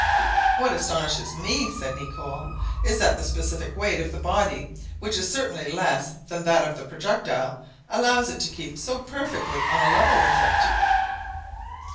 "What astonishes me," said Nicholl, "is that the specific weight of the body, which is certainly less than that of the projectile, allows it to keep so perfectly on a level with it."